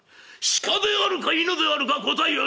鹿であるか犬であるか答えよ」。